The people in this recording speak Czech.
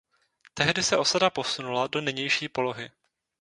Tehdy se osada posunula do nynější polohy.